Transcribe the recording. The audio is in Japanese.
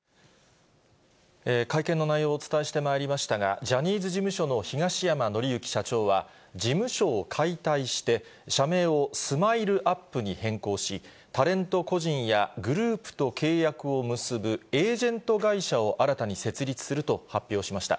会見の内容をお伝えしてまいりましたが、ジャニーズ事務所の東山紀之社長は、事務所を解体して、社名をスマイルアップに変更し、タレント個人やグループと契約を結ぶエージェント会社を新たに設立すると発表しました。